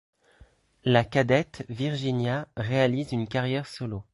La cadette Virginia réalise une carrière solo.